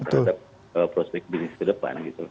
terhadap prospek bisnis ke depan gitu